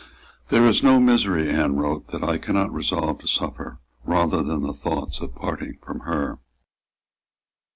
"There is no misery," Anne wrote, "that I cannot resolve to suffer rather than the thoughts of parting from her."